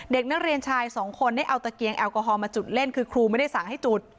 เด็กนักเรียนชายสองคนได้เอาตะเกียงแอลกอฮอลมาจุดเล่นคือครูไม่ได้สั่งให้จุด